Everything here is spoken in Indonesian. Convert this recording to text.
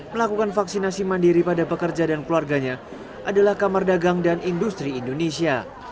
melakukan vaksinasi mandiri pada pekerja dan keluarganya adalah kamar dagang dan industri indonesia